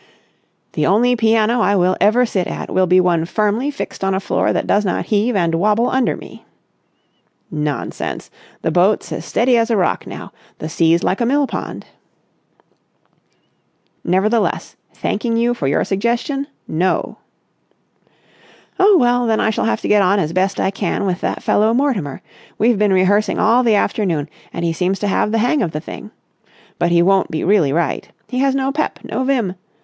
"The only piano I will ever sit at will be one firmly fixed on a floor that does not heave and wobble under me." "Nonsense! The boat's as steady as a rock now. The sea's like a mill pond." "Nevertheless, thanking you for your suggestion, no!" "Oh, well, then I shall have to get on as best I can with that fellow Mortimer. We've been rehearsing all the afternoon, and he seems to have the hang of the thing. But he won't be really right. He has no pep, no vim.